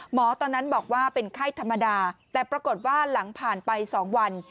ตอนนั้นบอกว่าเป็นไข้ธรรมดาแต่ปรากฏว่าหลังผ่านไป๒วัน